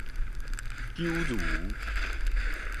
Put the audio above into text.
九如